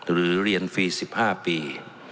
หรือเรียนฟรี๑๕ปี